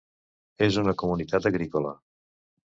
És una comunitat agrícola.